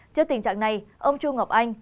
trước tình trạng này ông chu ngọc anh